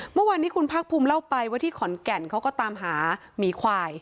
เมื่อวานนี้คุณภาคภูมิเล่าไปว่าที่ขอนแก่นเขาก็ตามหาหมีควาย